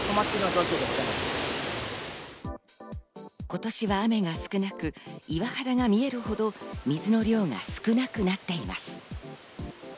今年は雨が少なく、岩肌が見えるほど水の量が少なくなっています。